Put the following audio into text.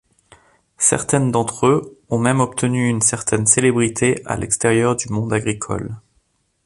Certains d’entre eux ont même obtenu une certaine célébrité à l’extérieur du monde agricole.